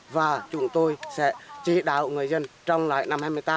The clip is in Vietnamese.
và chúng tôi sẽ trị đáo người dân trong lại năm hai mươi tám